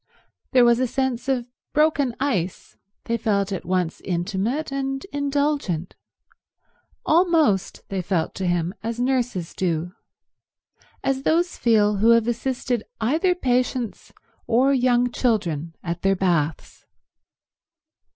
There was a sense of broken ice; they felt at once intimate and indulgent; almost they felt to him as nurses do—as those feel who have assisted either patients or young children at their baths.